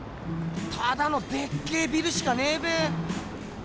ただのでっけえビルしかねえべ。